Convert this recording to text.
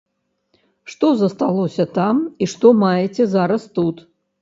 Што засталося там і што маеце зараз тут?